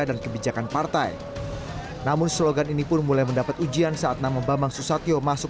dan kebijakan partai namun slogan ini pun mulai mendapat ujian saat nama bapak susatyo masuk